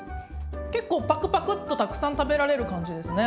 結構パクパクッとたくさん食べられる感じですね。